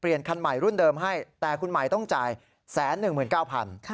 คันใหม่รุ่นเดิมให้แต่คุณหมายต้องจ่าย๑๑๙๐๐บาท